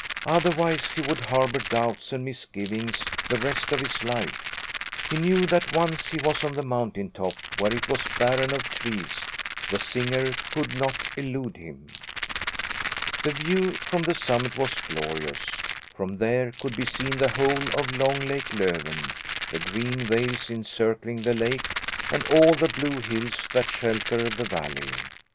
Otherwise he would harbour doubts and misgivings the rest of his life. He knew that once he was on the mountain top, where it was barren of trees, the singer could not elude him. The view from the summit was glorious. From there could be seen the whole of long Lake Löven, the green vales encircling the lake and all the blue hills that shelter the valley.